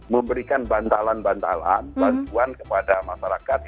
memberikan bantalan bantalan bantuan kepada masyarakat